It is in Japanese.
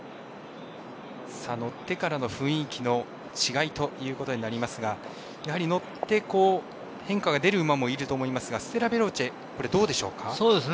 乗ってからの雰囲気の違いということになりますがやはり、乗って変化が出る馬もいると思いますがステラヴェローチェどうでしょうか？